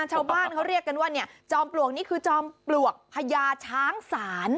ชาวบ้านเขาเรียกกันว่าเนี่ยจอมปลวกนี่คือจอมปลวกพญาช้างศาล